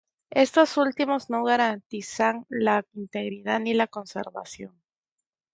Estos últimos no garantizan la integridad ni la conservación.